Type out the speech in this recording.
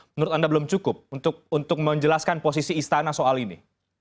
menurut anda belum cukup untuk menjelaskan posisi istana soal ini